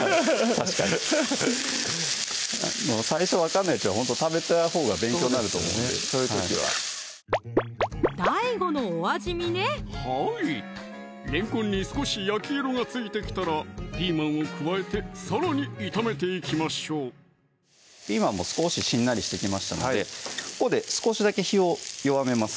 確かに最初分かんないうちは食べたほうが勉強になると思うんでそういう時はＤＡＩＧＯのお味見ねはいれんこんに少し焼き色がついてきたらピーマンを加えてさらに炒めていきましょうピーマンも少ししんなりしてきましたのでここで少しだけ火を弱めます